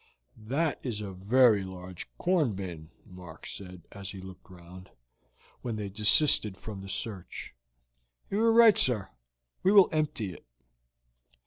"That is a very large corn bin," Mark said, as he looked round, when they desisted from the search. "You are right, sir. We will empty it."